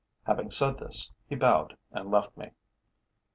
Having said this he bowed and left me.